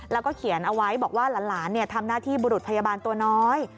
แล้วก็เขียนเอาไว้บอกว่าหลานทำหน้าที่บุรุษพยาบาลตัวน้อย